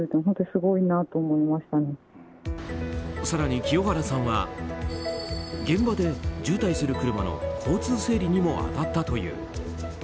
更に清原さんは現場で渋滞する車の交通整理にも当たったという。